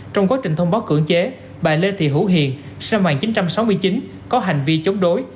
trong quá trình thông báo cưỡng chế bà lê thị hữu hiền sân mạng chín trăm sáu mươi chín có hành vi chống đối